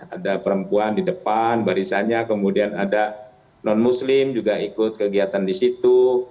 ada perempuan di depan barisannya kemudian ada non muslim juga ikut kegiatan di situ